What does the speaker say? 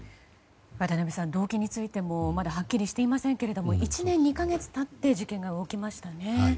渡辺さん動機についてもまだはっきりしていませんが１年２か月経って事件が動きましたね。